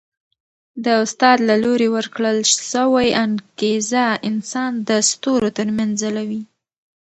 د استاد له لوري ورکړل سوی انګېزه انسان د ستورو تر منځ ځلوي.